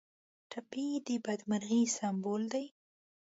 ټپي د بدمرغۍ سمبول دی.